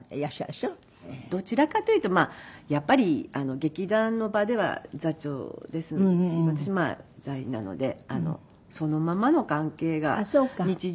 どちらかというとまあやっぱり劇団の場では座長ですし私まあ座員なのでそのままの関係が日常も割と続いて。